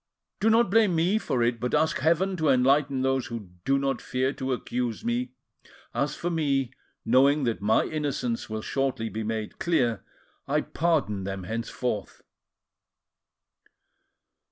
Do not blame me for it; but ask Heaven to enlighten those who do not fear to accuse me. As for me, knowing that my innocence will shortly be made clear, I pardon them henceforth."